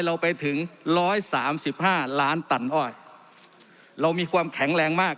เราไปถึงร้อยสามสิบห้าล้านตันอ้อยเรามีความแข็งแรงมาก